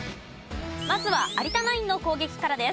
まずは有田ナインの攻撃からです。